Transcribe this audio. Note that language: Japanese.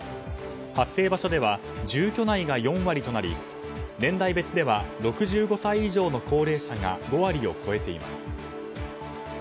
発生場所では住居内が４割となり年代別では６５歳以上の高齢者が５割を超えています。